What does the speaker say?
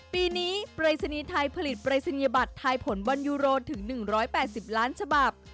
ปีนี้ปรายศนีย์ไทยผลิตปรายศนียบัตรทายผลบอลยูโรถึง๑๘๐ล้านฉบับ